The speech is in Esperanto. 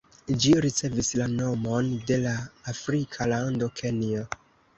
Ĝi ricevis la nomon de la afrika lando Kenjo.